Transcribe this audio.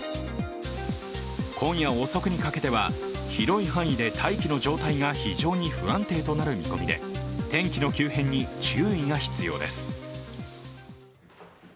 今夜遅くにかけては広い範囲で大気の状態が非常に不安定となる見込みで天気の急変に注意が必要です。